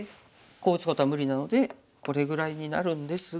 こう打つことは無理なのでこれぐらいになるんですが。